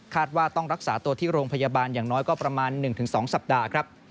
ว่าต้องรักษาตัวที่โรงพยาบาลอย่างน้อยก็ประมาณ๑๒สัปดาห์ครับ